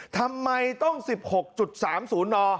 ทำไมต้อง๑๖๓๐น